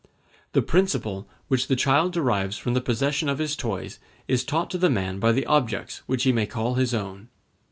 The principle which the child derives from the possession of his toys is taught to the man by the objects which he may call his own.